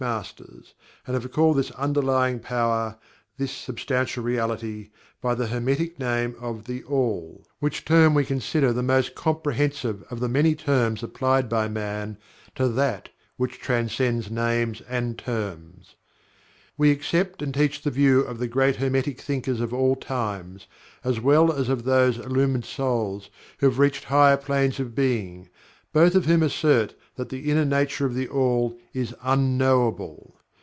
Masters and have called this Underlying Power this Substantial Reality by the Hermetic name of "THE ALL," which term we consider the most comprehensive of the many terms applied by Man to THAT which transcends names and terms. We accept and teach the view of the great Hermetic thinkers of all times, as well as of those illumined souls who have reached higher planes of being, both of whom assert that the inner nature of THE ALL is UNKNOWABLE.